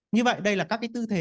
như vậy đây là các cái tư thế